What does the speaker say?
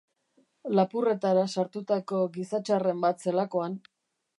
Lapurretara sartutako gizatxarren bat zelakoan.